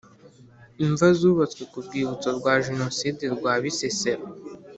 Imva zubatswe ku Rwibutso rwa Jenoside rwa Bisesero